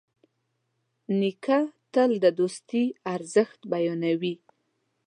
نیکه تل د دوستي ارزښت بیانوي.